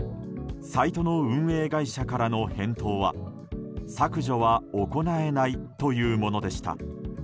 サイトの運営会社からの返答は削除は行えないというものでした。